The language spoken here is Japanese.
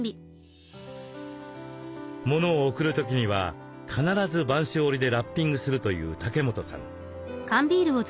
物を贈る時には必ず播州織でラッピングするという竹本さん。